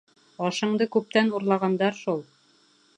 Ашыңды күптән урлағандар шул!